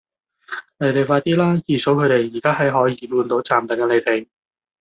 你哋快啲啦!二嫂佢哋而家喺海怡半島站等緊你哋